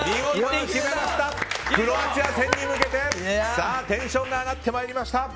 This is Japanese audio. クロアチア戦に向けてテンションが上がってまいりました！